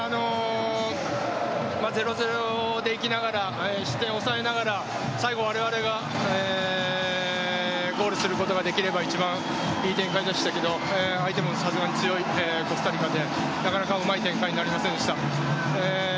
０‐０でいきながら失点を抑えながら最後われわれがゴールすることができれば一番良い展開でしたが相手もさすがに強いコスタリカでなかなかうまい展開になりませんでした。